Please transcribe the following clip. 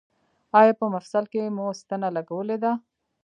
ایا په مفصل کې مو ستنه لګولې ده؟